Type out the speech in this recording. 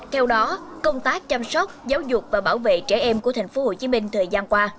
theo đó công tác chăm sóc giáo dục và bảo vệ trẻ em của tp hcm thời gian qua